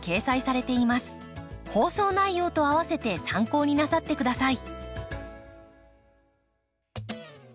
放送内容と併せて参考になさってください。